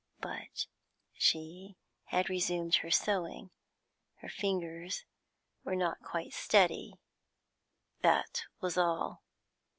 But she had resumed her sewing; her fingers were not quite steady, that was all.